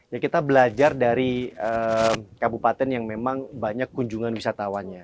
ya kita belajar dari kabupaten yang memang banyak kunjungan wisatawannya